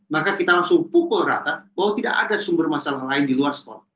maka kita langsung pukul rata bahwa tidak ada sumber masalah lain di luar sekolah